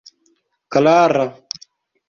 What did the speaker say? klara